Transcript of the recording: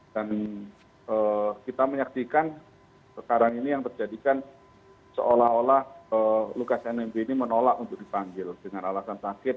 dan kita menyaksikan sekarang ini yang terjadikan seolah olah lukas nmb ini menolak untuk dipanggil dengan alasan sakit